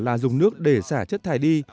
là dùng nước để xả chất thải đi